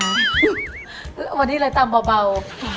วันนี้เลยตามเบา